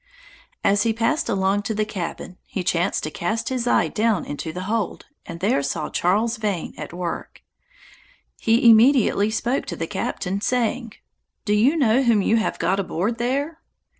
As he passed along to the cabin, he chanced to cast his eye down into the hold, and there saw Charles Vane at work: he immediately spoke to the captain, saying, "Do you know whom you have got aboard there?"